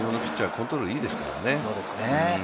コントロールいいですからね。